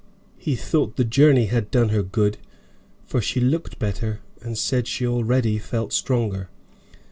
He thought the journey had done her good, for she looked better, and said she already felt stronger.